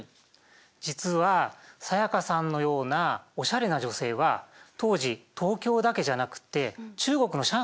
実は才加さんのようなおしゃれな女性は当時東京だけじゃなくて中国の上海にもいたんですよ。